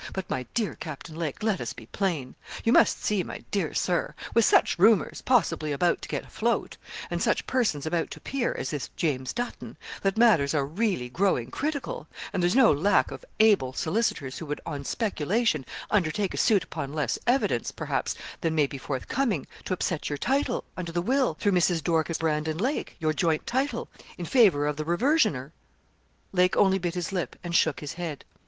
but, my dear Captain Lake, let us be plain. You must see, my dear Sir, with such rumours, possibly about to get afloat, and such persons about to appear, as this James Dutton, that matters are really growing critical, and there's no lack of able solicitors who would on speculation, undertake a suit upon less evidence, perhaps, than may be forthcoming, to upset your title, under the will, through Mrs. Dorcas Brandon Lake your joint title in favour of the reversioner.' Lake only bit his lip and shook his head.